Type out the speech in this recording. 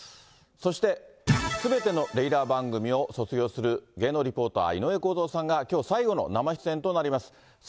そしてすべてのレギュラー番組を卒業する、芸能リポーター、井上公造さんが、きょう、最後の生出演となります。